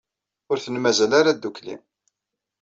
Ur ten-mazal ara ddukkli.